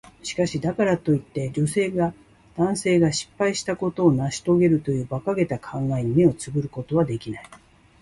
しかし、だからといって、女性が男性が失敗したことを成し遂げるという馬鹿げた考えに目をつぶることはできない。